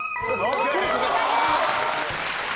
正解です。